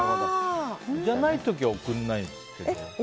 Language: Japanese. じゃない時は送らないですけど。